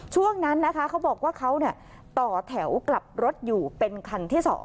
ช่วงนั้นนะคะเขาบอกว่าเขาต่อแถวกลับรถอยู่เป็นคันที่๒